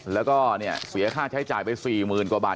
แล้วก็เนี่ยเสียค่าใช้จ่ายไป๔๐๐๐กว่าบาท